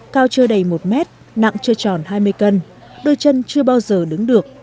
cao chưa đầy một mét nặng chưa tròn hai mươi cân đôi chân chưa bao giờ đứng được